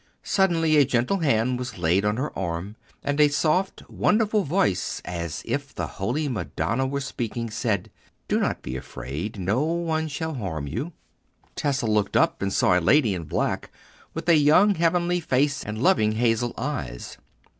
Suddenly a gentle hand was laid on her arm, and a soft, wonderful voice, as if the Holy Madonna were speaking, said, "Do not be afraid; no one shall harm you." Tessa looked up and saw a lady in black, with a young heavenly face and loving hazel eyes.